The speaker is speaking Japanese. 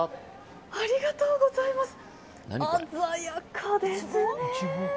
ありがとうございます。